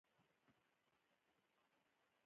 دواړو سترې سیمې په ځان کې رانغاړلې وې